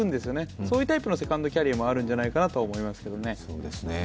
そういうタイプのセカンドキャリアもあるんじゃないかなと思いますけどね。